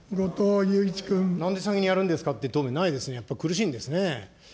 なんで先にやるんですかって答弁ないんですね、やっぱり苦しいんですね。